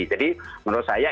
jadi menurut saya